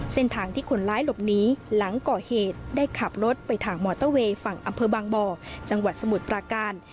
เส้นทางที่คนร้ายหลบหนีหลังก่อเหตุได้ขับรถไปทางมอเตอร์เวย์ฝั่งอำเภอบางบ่อจังหวัดสมุทรปราการ